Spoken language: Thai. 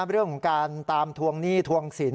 เรื่องของการตามทวงหนี้ทวงสิน